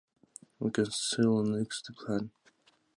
You can still nix the plan.